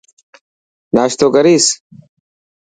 ناشتو ڪريس.